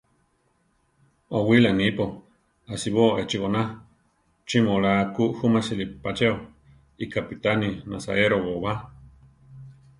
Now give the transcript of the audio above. Ówila nipo; ásiboo échi goná; ¿chí mu oláa ku júmasili pa cheo? ikápitane nasaérobo ba.